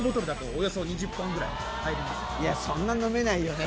いやそんな飲めないよね。